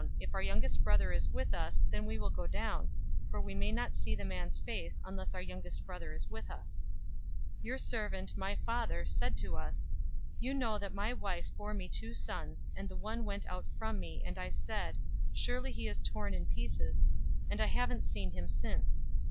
If our youngest brother is with us, then we will go down: for we may not see the man's face, unless our youngest brother is with us.' 044:027 Your servant, my father, said to us, 'You know that my wife bore me two sons: 044:028 and the one went out from me, and I said, "Surely he is torn in pieces;" and I haven't seen him since.